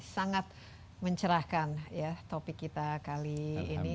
sangat mencerahkan topik kita kali ini